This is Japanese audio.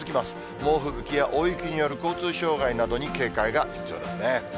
猛吹雪や大雪による交通障害などに警戒が必要ですね。